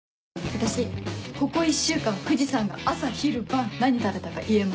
私ここ１週間藤さんが朝昼晩何食べたか言えます。